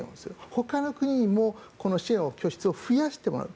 ほかの国にもこの支援の拠出を増やしてもらう。